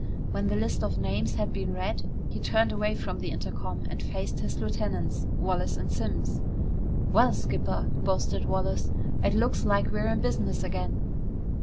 When the list of names had been read, he turned away from the intercom and faced his lieutenants, Wallace and Simms. "Well, skipper," boasted Wallace, "it looks like we're in business again!"